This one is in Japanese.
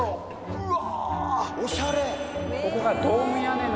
うわ。